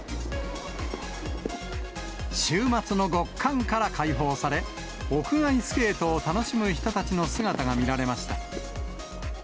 週末の極寒から解放され、屋外スケートを楽しむ人たちの姿が見られました。